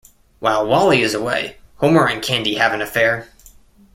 While Wally is away, Homer and Candy have an affair.